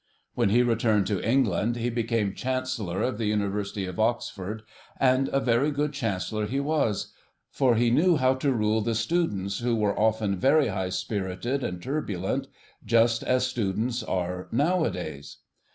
When he returned to England he became Chancellor of the University of Oxford, and a very good Chancellor he was, for he knew how to rule the students who were often very high spirited and turbulent, just as students are nowadays.